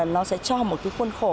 nó sẽ cho một cái khuôn khổ